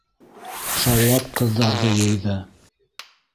Шаулап ҡыҙҙарҙы йыйҙы.